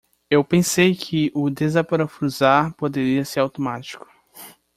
Eu pensei que o desaparafusar poderia ser automático.